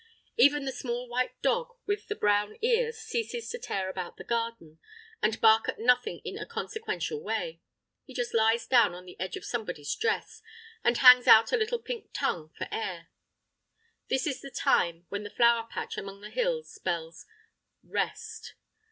Even the small white dog with the brown ears ceases to tear about the garden, and bark at nothing in a consequential way; he just lies down on the edge of somebody's dress, and hangs out a little pink tongue for air. This is the time when the flower patch among the hills spells REST.